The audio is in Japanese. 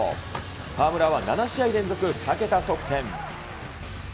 河村は７試合連続２桁得点。